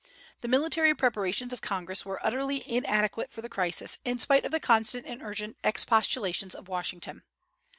The military preparations of Congress were utterly inadequate for the crisis, in spite of the constant and urgent expostulations of Washington.